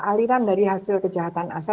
aliran dari hasil kejahatan asal